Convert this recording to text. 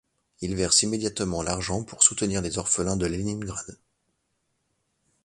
Il verse immédiatement l'argent pour soutenir les orphelins de Leningrad.